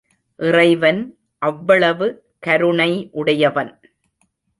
இறைவன் அவ்வளவு கருணை உடையவன்.